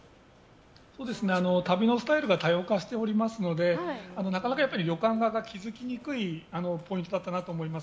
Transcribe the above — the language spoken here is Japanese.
旅のスタイルが多様化していますのでなかなか旅館側が気づきにくいポイントだったなと思います。